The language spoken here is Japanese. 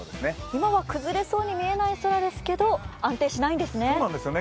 今は崩れそうに見えない空ですけど、安定しないですね。